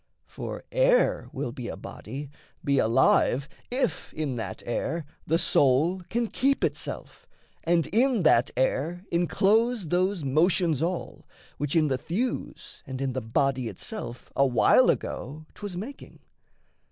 For air will be a body, be alive, If in that air the soul can keep itself, And in that air enclose those motions all Which in the thews and in the body itself A while ago 'twas making.